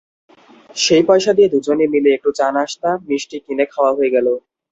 সেই পয়সা দিয়ে দুজনে মিলে একটু চা-নাশতা, মিষ্টি কিনে খাওয়া হয়ে গেল।